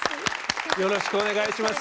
よろしくお願いします。